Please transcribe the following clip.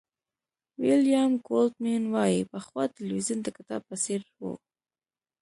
ویلیام گولډمېن وایي پخوا تلویزیون د کتاب په څېر و.